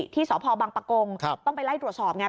ที่สพบังปะกงต้องไปไล่ตรวจสอบไง